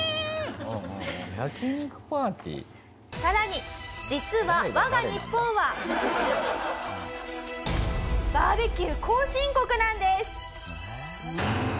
さらに実は我が日本はバーベキュー後進国なんです。